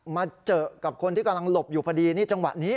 มาเจอกับคนที่กำลังหลบอยู่พอดีนี่จังหวะนี้